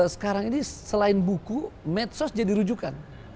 sekarang ini selain buku medsos jadi rujukan